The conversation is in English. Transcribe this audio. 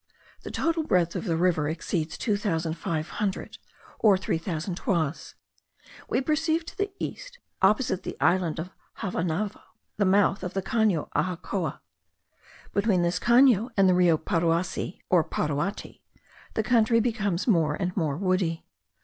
The total breadth of the river exceeds two thousand five hundred or three thousand toises. We perceived to the East, opposite the island of Javanavo, the mouth of the Cano Aujacoa. Between this Cano and the Rio Paruasi or Paruati, the country becomes more and more woody.